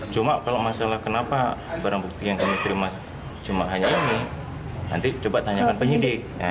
cuma kalau masalah kenapa barang bukti yang kami terima cuma hanya ini nanti coba tanyakan penyidik